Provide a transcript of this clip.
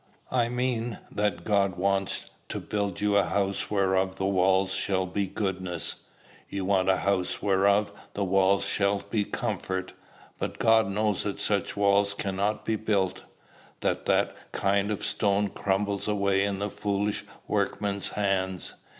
"I mean that God wants to build you a house whereof the walls shall be goodness: you want a house whereof the walls shall be comfort. But God knows that such walls cannot be built, that that kind of stone crumbles away in the foolish workman's hands.